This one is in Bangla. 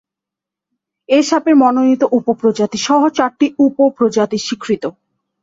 এ সাপের মনোনীত উপ-প্রজাতি সহ চারটি উপ-প্রজাতি স্বীকৃত।